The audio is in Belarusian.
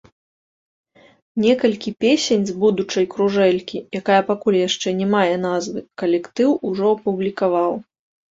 Некалькі песень з будучай кружэлкі, якая пакуль яшчэ не мае назвы, калектыў ужо апублікаваў.